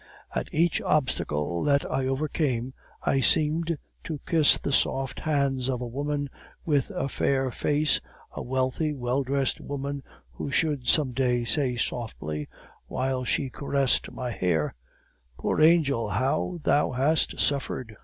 At each obstacle that I overcame, I seemed to kiss the soft hands of a woman with a fair face, a wealthy, well dressed woman, who should some day say softly, while she caressed my hair: "'Poor Angel, how thou hast suffered!